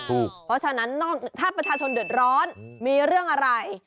เพราะฉะนั้นถ้าประชาชนเดือดร้อนมีเรื่องอะไร